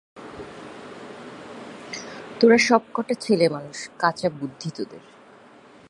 তোরা সবকটা ছেলেমানুষ, কাঁচা বুদ্ধি তোদের।